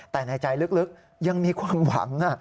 แต่ในใจลึกยังมีความหวัง